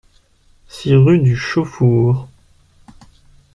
six rue du Chauxfour